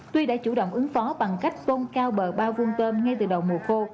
tuy đã chủ động ứng phó bằng cách tôn cao bờ ba vuông tôm ngay từ đầu mùa khô